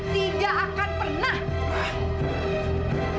tidak akan pernah